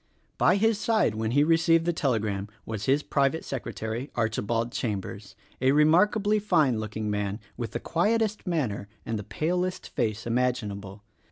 By his side when he received the telegram was his pri vate secretary Archibald Chambers, a remarkably fine looking man with the quietest manner and the palest face imaginable.